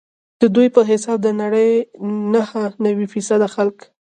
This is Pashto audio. ددوی په حساب د نړۍ نهه نوي فیصده خلک.